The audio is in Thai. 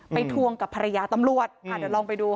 ทวงกับภรรยาตำรวจอ่าเดี๋ยวลองไปดูค่ะ